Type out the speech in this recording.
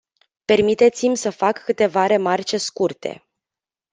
Permiteți-mi să fac câteva remarce scurte.